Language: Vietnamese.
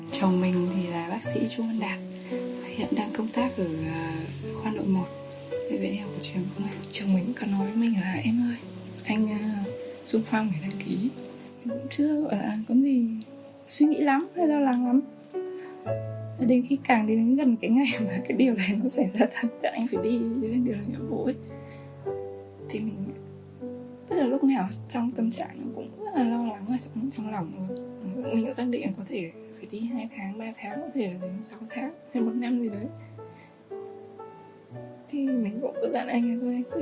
cái ngày mà cái điều này nó xảy ra thật các anh phải đi cái điều này nó vội